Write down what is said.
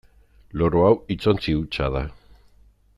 Loro hau hitzontzi hutsa da.